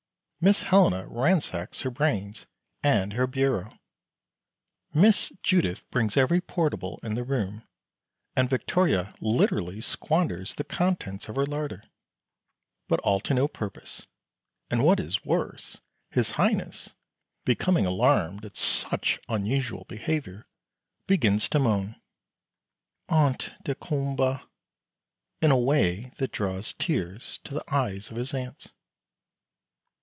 Miss Helena ransacks her brains and her bureau, Miss Judith brings every portable in the room, and Victoria literally squanders the contents of her larder, but all to no purpose, and what is worse, his Highness, becoming alarmed at such unusual behavior, begins to moan "Ont daykumboa" in a way that draws tears to the eyes of his aunts.